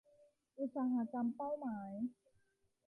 อุตสาหกรรมเป้าหมาย